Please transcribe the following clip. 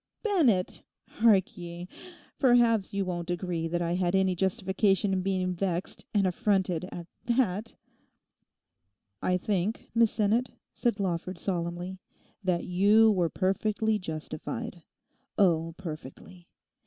Bennett, hark ye! Perhaps you won't agree that I had any justification in being vexed and—and affronted at that.' 'I think, Miss Sinnet,' said Lawford solemnly, 'that you were perfectly justified. Oh, perfectly.